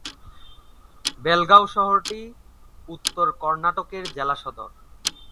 বেলগাঁও শহরটি উত্তর কর্ণাটকের জেলা সদর।